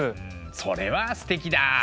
それはすてきだ。